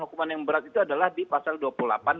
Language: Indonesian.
hukuman yang berat itu adalah di pasal dua puluh delapan